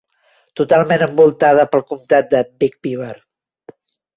Totalment envoltada pel comptat de Big Beaver.